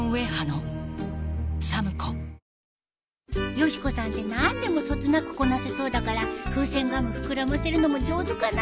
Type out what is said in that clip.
よし子さんって何でもそつなくこなせそうだから風船ガム膨らませるのも上手かな？